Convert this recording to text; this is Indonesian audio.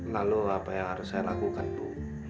lalu apa yang harus saya lakukan bu